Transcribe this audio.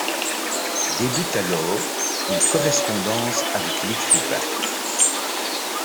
Débute alors une correspondance avec l'écrivain.